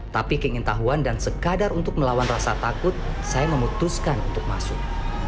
tapi keingin tahuan dan sekadar untuk melawan rasa takut saya memutuskan untuk masuk